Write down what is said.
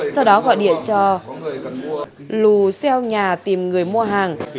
sau đó gọi điện cho lù xeo nhà tìm người mua hàng